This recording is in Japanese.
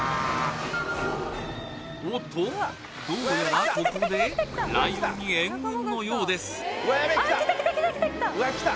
おっとどうやらここでライオンに援軍のようですきたきたきたきたきた！